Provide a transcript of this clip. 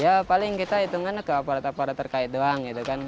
ya paling kita hitungkan ke aparat aparat terkait doang gitu kan